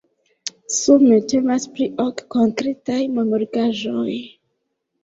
Sume temas pri ok konkretaj memorigaĵoj.